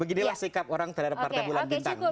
beginilah sikap orang terhadap partai bulan bintang